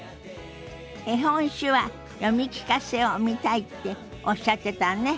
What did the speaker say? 「絵本手話読み聞かせ」を見たいっておっしゃってたわね。